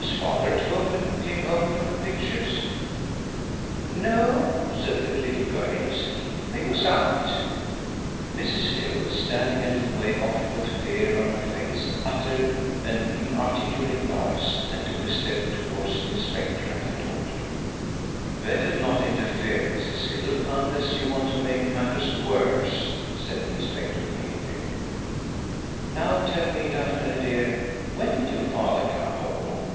"Was Father at home when you came home from the pictures?" "No," said the little girl innocently. "He was out." Mrs. Hill, standing a little way off with fear on her face, uttered an inarticulate noise, and took a step towards the inspector and her daughter. "Better not interfere, Mrs. Hill, unless you want to make matters worse," said the inspector meaningly. "Now, tell me, Daphne, dear, when did your father come home?"